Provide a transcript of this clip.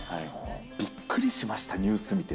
びっくりしました、ニュース見て。